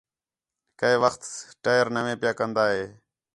کَئے وخت ٹائر نوے پِیا کندا ہِے